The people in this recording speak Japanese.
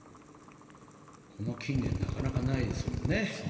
この近年なかなかないですもんね。